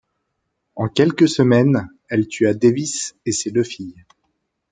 En quelques semaines, elle tua Davis et deux de ses filles.